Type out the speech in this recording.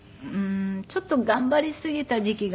ちょっと頑張りすぎた時期が。